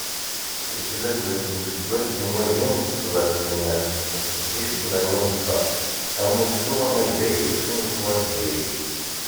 Yeslal-d, deg useggas n wagim d tẓa twinas d seddis tmerwin d ṣa, Amussu amagday i usnulfu azzayri.